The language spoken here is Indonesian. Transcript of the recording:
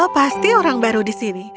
pasti orang baru di sini